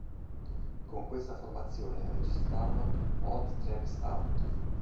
Con questa formazione registrarono "Odd Tracks Out!